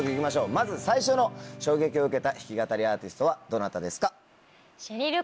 まず最初の衝撃を受けた弾き語りアーティストはどなたですか？